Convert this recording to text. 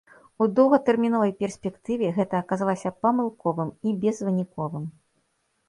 У доўгатэрміновай перспектыве гэта аказалася памылковым і безвыніковым.